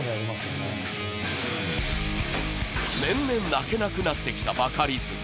年々泣けなくなってきたバカリズム。